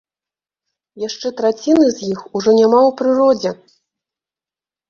Яшчэ траціны з іх ужо няма ў прыродзе.